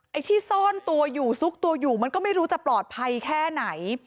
ไอ้ที่ซ่อนตัวอยู่ซุกตัวอยู่มันก็ไม่รู้จะปลอดภัยแค่ไหน